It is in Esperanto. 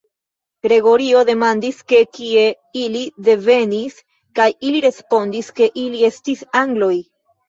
Gregorio demandis, de kie ili devenis, kaj ili respondis ke ili estis angloj.